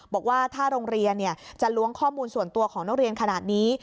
บอกว่าถ้าโรงเรียนจะล้วงข้อมูลส่วนตัวของนักเรียนขนาดนี้